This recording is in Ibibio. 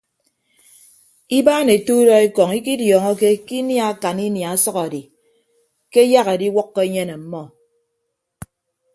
Ibaan ete udọ ekọñ ikidiọọñọke ke inia akan inia ọsʌk edi ke ayak ediwʌkkọ enyen ọmmọ.